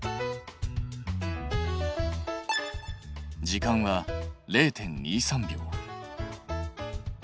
時間は０．２３秒。